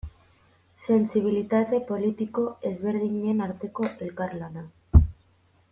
Sentsibilitate politiko ezberdinen arteko elkarlana.